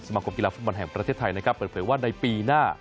มาคมกีฬาฟุตบอลแห่งประเทศไทยนะครับเปิดเผยว่าในปีหน้า